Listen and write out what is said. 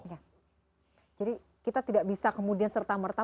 jadi kita tidak bisa kemudian serta merta